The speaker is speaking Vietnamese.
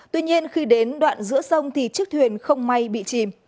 tuy nhiên khi đến đoạn giữa sông thì chiếc thuyền không may bị chìm